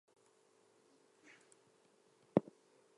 The base of the Mount Washington Auto Road is located in Green's Grant.